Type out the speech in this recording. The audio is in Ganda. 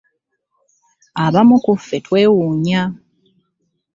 Abamu ku ffe twewuunya.